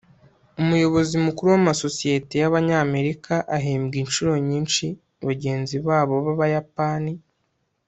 umuyobozi mukuru w'amasosiyete y'abanyamerika ahembwa inshuro nyinshi bagenzi babo b'abayapani